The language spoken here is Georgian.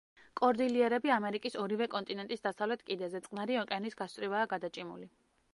კორდილიერები ამერიკის ორივე კონტინენტის დასავლეთ კიდეზე, წყნარი ოკეანის გასწვრივაა გადაჭიმული.